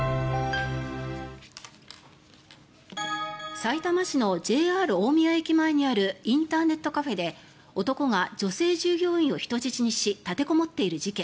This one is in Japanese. さいたま市のＪＲ大宮駅前にあるインターネットカフェで男が女性従業員を人質にし立てこもっている事件。